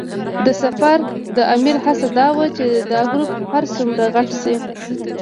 د سفر د امیر هڅه دا وه چې دا ګروپ هر څومره غټ شي.